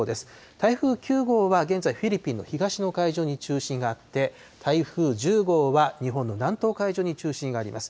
台風９号は現在、フィリピンの東の海上に中心があって、台風１０号は、日本の南東海上に中心があります。